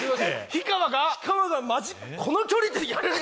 氷川がこの距離で。